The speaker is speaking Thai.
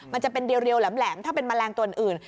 มันจะเป็นเรียวแหลมถ้าเป็นแมลงตัวอื่น